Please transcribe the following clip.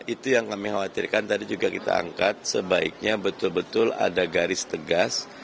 itu yang kami khawatirkan tadi juga kita angkat sebaiknya betul betul ada garis tegas